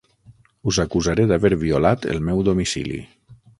Us acusaré d'haver violat el meu domicili.